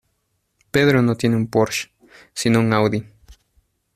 Pedro no tiene un Porsche sino un Audi.